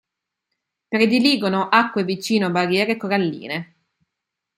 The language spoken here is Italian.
Prediligono acque vicino a barriere coralline.